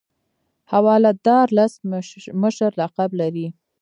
حواله دار لس مشر لقب لري.